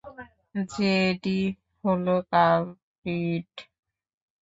JD হলো culprit.